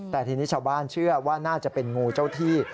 แต่ทีนี้ชาวบ้านเชื่อว่าน่าจะเป็นงูเจ้าที่